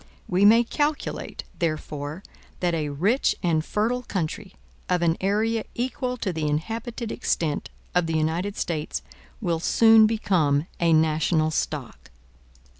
We may calculate, therefore, that a rich and fertile country, of an area equal to the inhabited extent of the United States, will soon become a national stock.